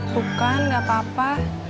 bukan enggak apa apa